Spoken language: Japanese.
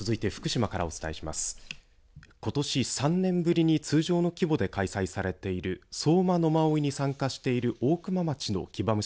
ことし３年ぶりに通常の規模で開催されている相馬野馬追に参加している福島県大熊